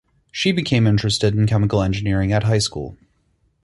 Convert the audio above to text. She became interested in chemical engineering at high school.